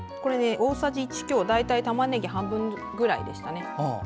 大さじ１強、大体たまねぎ半分くらいでした。